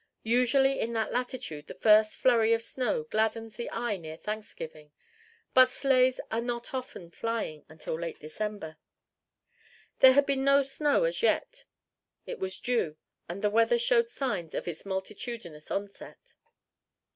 Usually in that latitude the first flurry of snow gladdens the eye near Thanksgiving, but sleighs are not often flying until late in December. There had been no snow as yet; it was due, and the weather showed signs of its multitudinous onset.